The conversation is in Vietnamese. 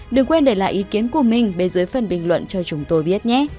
đừng quên để lại ý kiến của mình bên dưới phần bình luận cho chúng tôi biết nhé